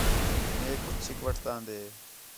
میک چھک وٹھتاندے